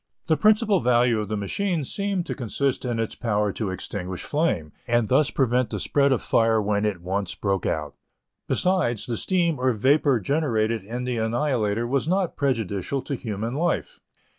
The principal value of the machine seemed to consist in its power to extinguish flame, and thus prevent the spread of fire when it once broke out. Besides, the steam or vapor generated in the Annihilator was not prejudicial to human life.